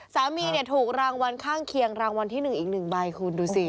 สามีเนี่ยถูกรางวัลข้างเคียงรางวัลที่๑อีก๑ใบคุณดูสิ